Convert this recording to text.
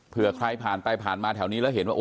เพื่อใครผ่านไปผ่านมาแถวนี้แล้วเห็นว่า